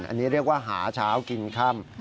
อันนี้เรียกว่าหาเช้ากินค่ำ